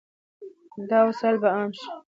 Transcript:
دا وسایل به عام شي.